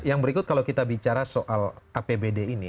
yang berikut kalau kita bicara soal apbd ini